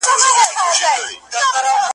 چي ورور مي د خورلڼي ناوکۍ د پلو غل دی ,